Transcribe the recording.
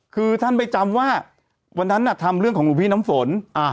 คือท่านไปจำว่าวันนั้นทำเรื่องของหลวงพี่น้ำฝน